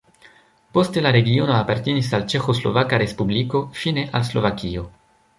Poste la regiono apartenis al Ĉeĥoslovaka respubliko, fine al Slovakio.